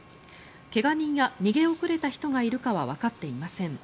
怪我人や逃げ遅れた人がいるかはわかっていません。